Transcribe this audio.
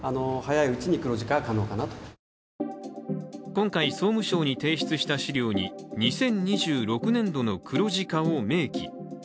今回、総務省に提出した資料に２０２６年度の黒字化を明記。